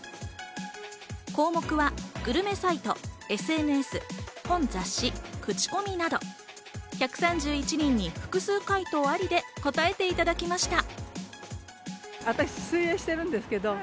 項目はグルメサイト、ＳＮＳ、本、雑誌、口コミなど１３１人に複数回答ありで答えていただきました。